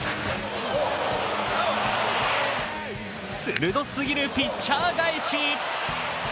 鋭すぎるピッチャー返し。